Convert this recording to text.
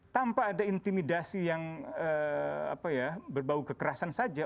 tanpa ada intimidasi yang berbau kekerasan saja